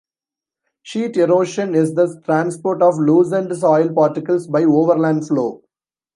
"Sheet erosion" is the transport of loosened soil particles by overland flow.